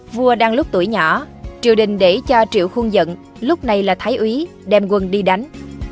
vua đang lúc tuổi nhỏ triệu đình để cho triệu khuôn dẫn lúc này là thái úy đem quân đi đánh